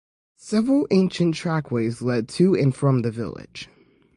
Several ancient trackways lead to and from the village.